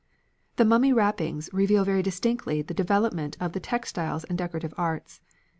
The mummy wrappings reveal very distinctly the development of the textiles and decorative arts.